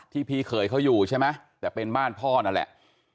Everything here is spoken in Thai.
พี่เขยเขาอยู่ใช่ไหมแต่เป็นบ้านพ่อนั่นแหละ